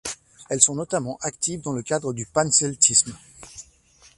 Elles sont notamment actives dans le cadre du panceltisme.